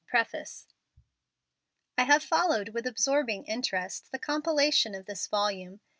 PREFACE. I have followed with absorbing interest the com¬ pilation of this volume.